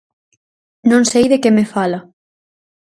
Non sei de que me fala.